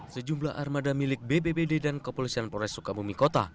sejumlah armada milik bbbd dan kepolisian polres sukabumi kota